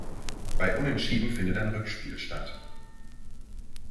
Bei unentschieden findet ein Rückspiel statt.